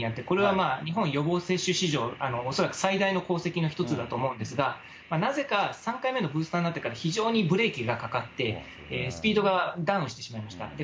これは日本予防接種史上、恐らく最大の功績の一つだと思うんですが、なぜか３回目のブースターになってから、非常にブレーキがかかって、スピードがダウンしてしまいました。